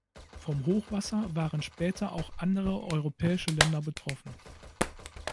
Vom Hochwasser waren später auch andere europäische Länder betroffen.